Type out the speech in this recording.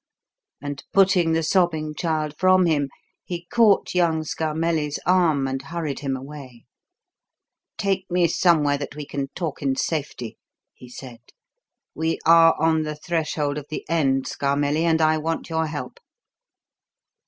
And, putting the sobbing child from him, he caught young Scarmelli's arm and hurried him away. "Take me somewhere that we can talk in safety," he said. "We are on the threshold of the end, Scarmelli, and I want your help."